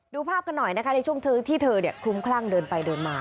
ดูภาพกันหน่อยนะคะในช่วงที่เธอคลุ้มคลั่งเดินไปเดินมา